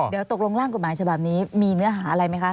เดี๋ยวตกลงร่างกฎหมายฉบับนี้มีเนื้อหาอะไรไหมคะ